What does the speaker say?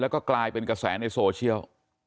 แล้วก็กลายเป็นกระแสในโซเชียล